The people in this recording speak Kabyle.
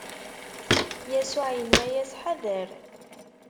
Yasuɛ inna-as: Ḥader!